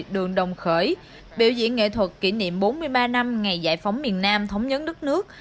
đường đồng khởi biểu diễn nghệ thuật kỷ niệm bốn mươi ba năm ngày giải phóng miền nam thống nhất đất nước